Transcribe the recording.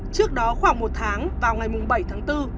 trước đó khoảng một tháng vào ngày bảy tháng bốn